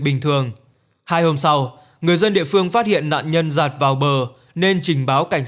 bình thường hai hôm sau người dân địa phương phát hiện nạn nhân giạt vào bờ nên trình báo cảnh